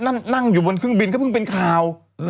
นั่นนั่งอยู่บนเครื่องบินเขาพึ่งเป็นข่าว